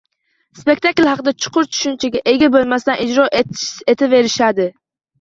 Spektakl haqida chuqur tushunchaga ega bo‘lmasdan ijro etaverishadi.